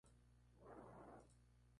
Los devotos los suben de rodillas.